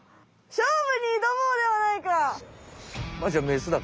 勝負に挑もうではないか！